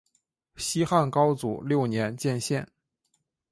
西汉高祖六年建县。